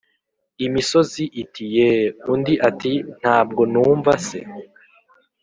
imisozi iti yee. undi ati ntabwo wumva se,